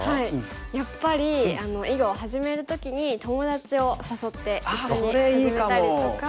やっぱり囲碁を始める時に友達を誘って一緒に始めたりとか。